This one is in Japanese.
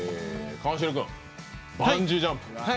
川尻君、バンジージャンプ。